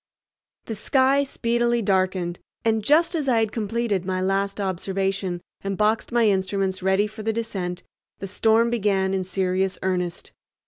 The sky speedily darkened, and just as I had completed my last observation and boxed my instruments ready for the descent, the storm began in serious earnest.